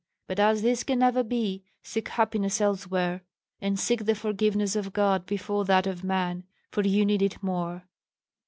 But as this can never be, seek happiness elsewhere; and seek the forgiveness of God before that of man, for you need it more."